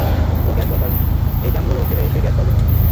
ওর gas দরকার, এই জামগুলো খেলে সে গ্যাস পাবে।